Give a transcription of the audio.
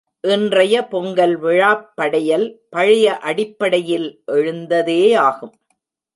இன்றைய பொங்கல் விழாப் படையல், பழைய அடிப்படையில் எழுந்ததேயாகும்.